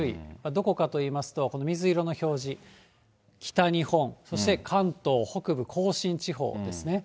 どこかといいますと、この水色の表示、北日本、そして関東北部、甲信地方ですね。